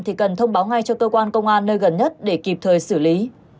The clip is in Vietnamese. thì cần thông báo ngay cho cơ quan công an nơi gần nhất để kịp thời xử lý